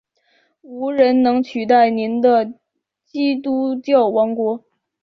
无人能取代您的基督教王国！